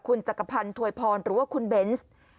คุณจักรพันธ์ถวยพรหรือว่าคุณเบนส์